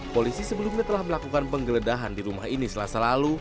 polisi sebelumnya telah melakukan penggeledahan di rumah ini selasa lalu